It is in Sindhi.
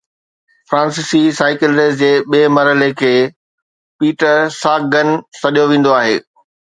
فرانسيسي سائيڪل ريس جي ٻئي مرحلي کي پيٽرساگگن سڏيو ويندو آهي